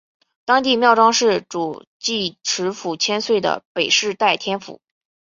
当地庄庙是主祀池府千岁的北势代天府。